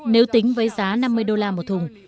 nếu tính với giá năm mươi đô la một thùng